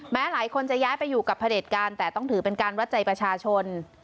หลายคนจะย้ายไปอยู่กับพระเด็จการแต่ต้องถือเป็นการวัดใจประชาชน